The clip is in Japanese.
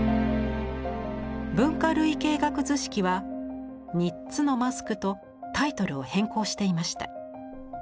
「文化類型学図式」は「三つのマスク」とタイトルを変更していました。